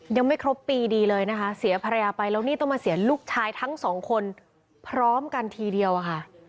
ยังไม่ครบปีดีเลยนะคะเสียภรรยาไปแล้วนี่ต้องมาเสียลูกชายทั้งสองคนพร้อมกันทีเดียวอะค่ะ